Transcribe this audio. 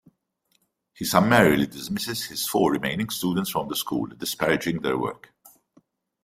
He summarily dismisses his four remaining students from the school, disparaging their work.